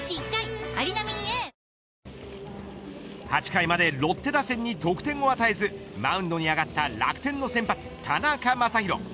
８回までロッテ打線に得点を与えずマウンドに上がった楽天の先発、田中将大。